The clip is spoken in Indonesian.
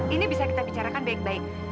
ini bisa kita bicarakan baik baik